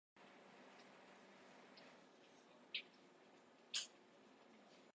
Eltoore derkeejo kalluɗo bana dartungo lisal joorngal.